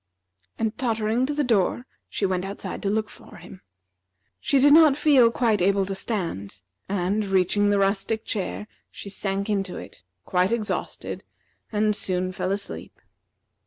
And tottering to the door, she went outside to look for him. She did not feel able to stand, and reaching the rustic chair, she sank into it, quite exhausted, and soon fell asleep.